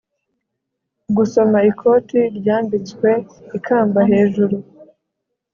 gusoma ikoti ryambitswe ikamba hejuru